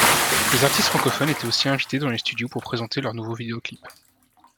Les artistes francophones étaient aussi invités dans les studios pour présenter leur nouveau vidéoclip.